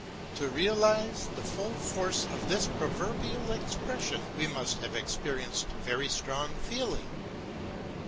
To realise the full force of this proverbial expression we must have experienced very strong feeling.